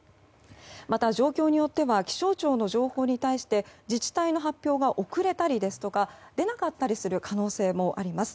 また状況によっては気象庁の情報に対して自治体の発表が遅れたりですとか出なかったりする可能性もあります。